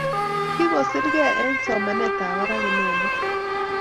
Kigosirgee eng somanetab barak inendet